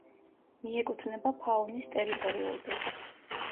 მიეკუთვნება ფაუნის ტერიტორიულ ტიპს.